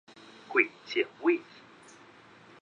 该区域亦称为额下回。